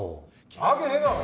なわけねぇだろ！